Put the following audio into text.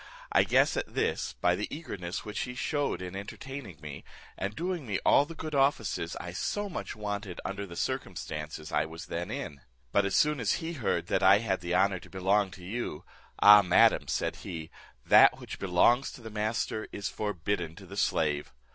I guessed at this, by the eagerness which he shewed in entertaining me, and doing me all the good offices I so much wanted under the circumstances I was then in; but as soon as he heard that I had the honour to belong to you, 'Ah, madam,' said he, 'that which belongs to the master is forbidden to the slave.'